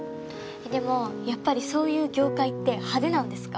でもやっぱりそういう業界って派手なんですか？